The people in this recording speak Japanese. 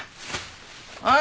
おい！